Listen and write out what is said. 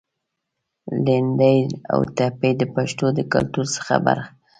لنډۍ او ټپې د پښتنو د کلتور برخه ده.